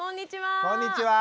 こんにちは！